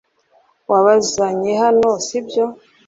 Wabazanye hano si byo